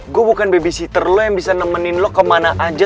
gue bukan babysitter lo yang bisa nemenin lo kemana aja